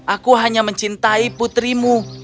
aku hanya mencintai putrimu